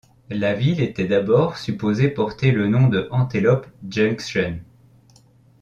La ville était d'abord supposée porter le nom de Antelope Junction.